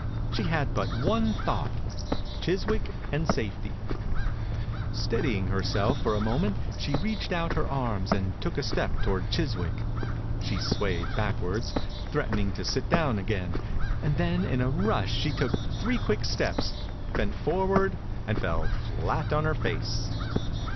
She had 92 THE INCUBATOR BABY but one thought, Chiswick and safety ! Steadying herself for a moment she reached out her arms and took a step toward Chiswick. She swayed backward, threat ening to sit down again, and then in a rush she took three quick steps, bent forward and fell flat on her face.